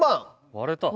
割れた。